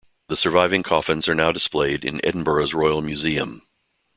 The surviving coffins are now displayed in Edinburgh's Royal Museum.